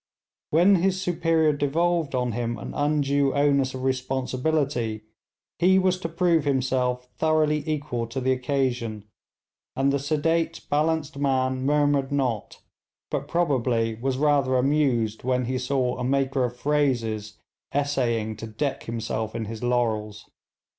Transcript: When his superior devolved on him an undue onus of responsibility he was to prove himself thoroughly equal to the occasion, and the sedate, balanced man murmured not, but probably was rather amused when he saw a maker of phrases essaying to deck himself in his laurels.